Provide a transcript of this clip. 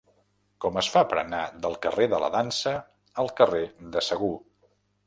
Com es fa per anar del carrer de la Dansa al carrer de Segur?